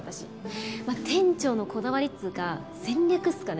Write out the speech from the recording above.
まあ店長のこだわりっつうか戦略っすかね。